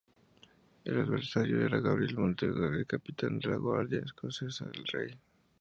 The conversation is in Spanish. El adversario era Gabriel Montgomery, capitán de la Guardia Escocesa del Rey.